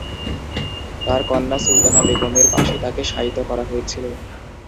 তার কন্যা সুলতানা বেগমের পাশে তাকে শায়িত করা হয়েছিল।